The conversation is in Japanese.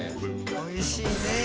おいしいねえ。